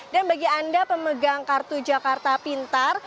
dan bagi anda pemegang kartu jakarta pintar